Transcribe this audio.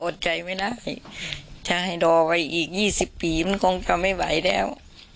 อดใจไม่ได้ถ้าให้รอไว้อีก๒๐ปีมันคงจะไม่ไหวแล้ว